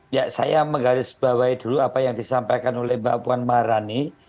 ya saya menggarisbawahi dulu apa yang disampaikan oleh mbak puan marani